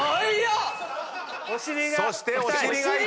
そしてお尻が痛い！